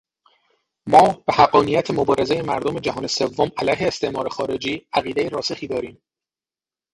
ما به حقانیت مبارزهٔ مردم جهان سوم علیه استعمار خارجی عقیدهٔ راسخی داریم.